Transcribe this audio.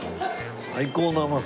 最高な甘さ。